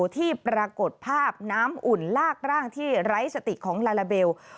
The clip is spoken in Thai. ที่ปรากฏภาพน้ำอุ่นลากร่างที่ไร้สติของลาลาเบล